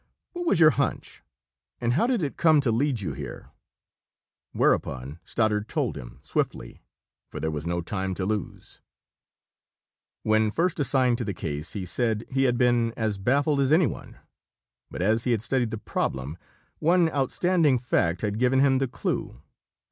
"What was your hunch, and how did it come to lead you here?" Whereupon Stoddard told him, swiftly, for there was no time to lose. When first assigned to the case, he said, he had been as baffled as anyone. But as he had studied the problem, one outstanding fact had given him the clue.